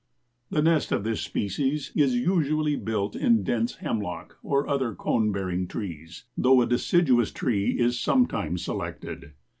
The nest of this species is usually built in dense hemlock or other cone bearing trees, though a deciduous tree is sometimes selected.